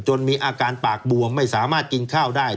มีอาการปากบวมไม่สามารถกินข้าวได้